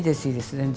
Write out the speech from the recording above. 全然。